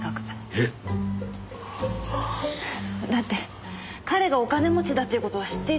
えっ？だって彼がお金持ちだっていう事は知っていたから。